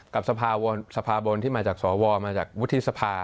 กับสภาบนที่มาจากสวมาจากวุฒิสภา